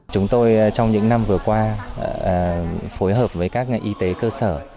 chúng tôi trong những năm vừa qua phối hợp với các y tế cơ sở